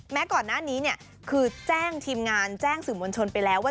แม้ก่อนหน้านี้คือแจ้งทีมงานแจ้งสื่อมงานชนไปแล้ว